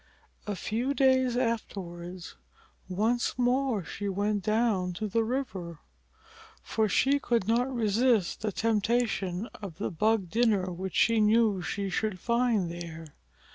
A few days afterwards once more she went down to the river, for she could not resist the temptation of the bug dinner which she knew she should find there.